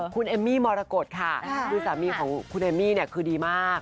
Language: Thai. คุณเอมมี่มรกฏค่ะคือสามีของคุณเอมมี่เนี่ยคือดีมาก